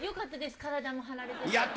体も張られてて。